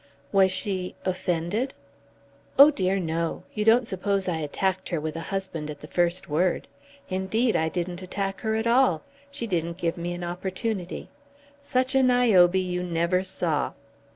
"Was she offended?" "Oh dear, no. You don't suppose I attacked her with a husband at the first word. Indeed, I didn't attack her at all. She didn't give me an opportunity. Such a Niobe you never saw."